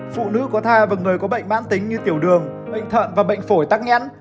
phụ nữ có thai và người có bệnh mãn tính như tiểu đường bệnh thận và bệnh phổi tắc nghẽn